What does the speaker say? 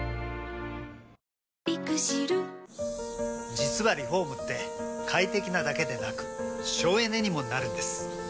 実はリフォームって快適なだけでなく省エネにもなるんです。